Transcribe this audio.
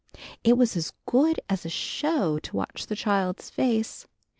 It was as good as a show to watch the child's face.